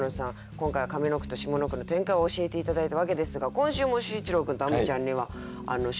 今回は上の句と下の句の展開を教えて頂いたわけですが今週も秀一郎君とあむちゃんには宿題を。